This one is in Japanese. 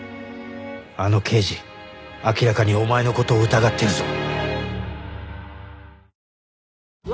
あの刑事明らかにお前の事を疑ってるぞ